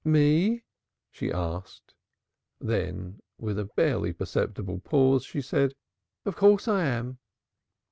"Me?" she asked; then, with a barely perceptible pause, she said, "Of course I am."